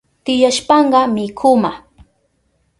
Tiyashpanka mikuma